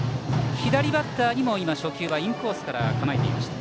左バッターにも初球はインコースからでした。